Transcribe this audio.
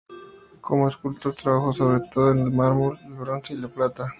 Como escultor trabajó, sobre todo, el mármol, el bronce y la plata.